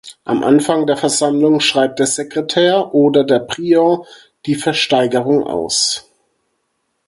Am Anfang der Versammlung schreibt der Sekretär oder der Prior die Versteigerung aus.